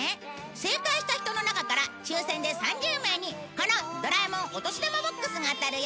正解した人の中から抽選で３０名にこのドラえもんお年玉ＢＯＸが当たるよ！